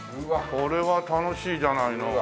これは楽しいじゃないのあら。